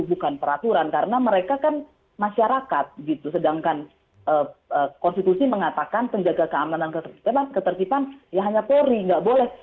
bukan peraturan karena mereka kan masyarakat gitu sedangkan konstitusi mengatakan penjaga keamanan ketertiban ya hanya polri nggak boleh